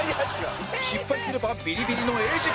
失敗すればビリビリの餌食に